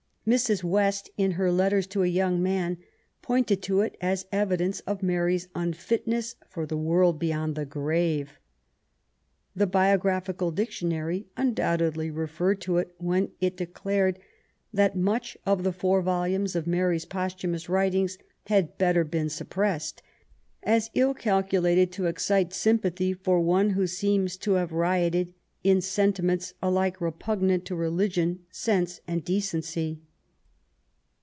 Mrs. West, in her Letters to a Young Man^ pointed to it as evidence of Mary's unfit ness for the world beyond the grave. The Biographical Dictionary undoubtedly referred to it when it declared that much of the four volumes of Mary's posthumous writings had better been suppressed, as ill calculated to excite sympathy for one who seems to have rioted in sentiments alike repugnant to religion, sense, and decency.